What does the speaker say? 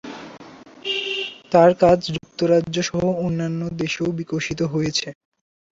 তার কাজ যুক্তরাজ্য সহ অন্যান্য দেশেও বিকশিত হয়েছে।